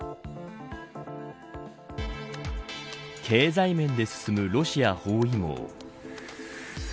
経済面で進むロシア包囲網。